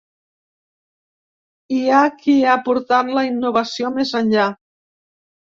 Hi ha qui ha portat la innovació més enllà.